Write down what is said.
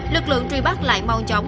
lực lượng truy bắt lại mau chóng